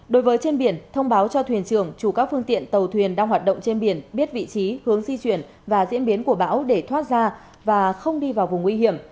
đối với trên biển thông báo cho thuyền trưởng chủ các phương tiện tàu thuyền đang hoạt động trên biển biết vị trí hướng di chuyển và diễn biến của bão để thoát ra và không đi vào vùng nguy hiểm